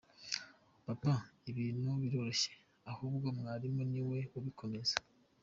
Papa, ibintu biroroshye ahubwo mwarimu ni we ubikomeza.